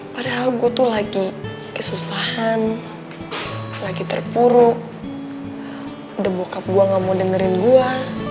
padahal gue tuh lagi kesusahan lagi terpuruk udah bokap gue gak mau dengerin gue